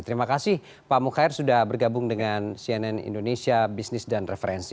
terima kasih pak mukhair sudah bergabung dengan cnn indonesia bisnis dan referensi